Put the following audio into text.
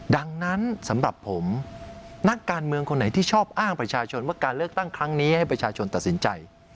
ดังนั้นสำหรับผมนักการเมืองคนไหนที่ชอบอ้างประชาชนว่าการเลือกตั้งครั้งนี้ให้ประชาชนตัดสินใจ